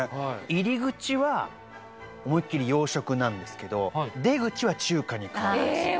入り口は思いっきり洋食なんですけど出口は中華に変わりますえ